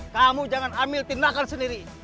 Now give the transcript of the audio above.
kamu jangan ambil tindakan sendiri